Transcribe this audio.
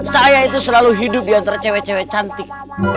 saya itu selalu hidup diantara cewek cewek cantik